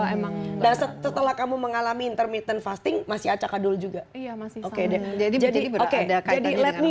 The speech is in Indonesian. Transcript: emang setelah kamu mengalami intermittent fasting masih acak adul juga oke jadi jadi